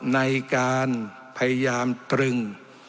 ในการพยายามตรึง